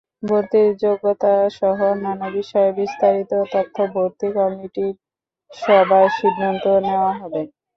ভর্তির যোগ্যতাসহ অন্যান্য বিষয়ে বিস্তারিত তথ্য ভর্তি কমিটির সভায় সিদ্ধান্ত নেওয়া হবে।